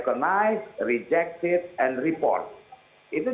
yaudah kita lihat e stake